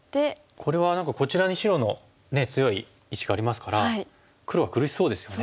これは何かこちらに白の強い石がありますから黒は苦しそうですよね。